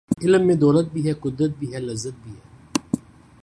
علم میں دولت بھی ہے ،قدرت بھی ہے ،لذت بھی ہے